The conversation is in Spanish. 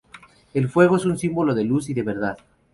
El fuego es un símbolo de luz y de verdad.